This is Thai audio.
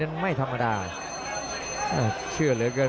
ขวางแขงขวาเจอเททิ้ง